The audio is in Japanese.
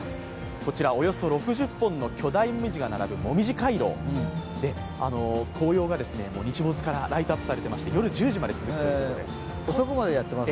こちら、およそ６０本の巨大紅葉が並ぶ紅葉回廊で、紅葉が日没からライトアップされてまして夜１０時まで続きます。